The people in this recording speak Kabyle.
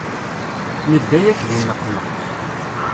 Nedda-yak di nneqma.